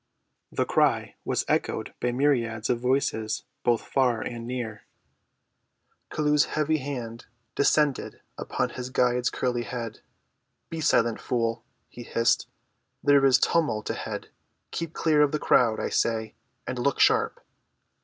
The cry was echoed by myriads of voices both far and near. Chelluh's heavy hand descended upon his guide's curly head. "Be silent, fool," he hissed. "There is tumult ahead. Keep clear of the crowd, I say, and look sharp!"